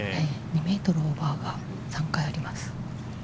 ２ｍオーバーが３回あります。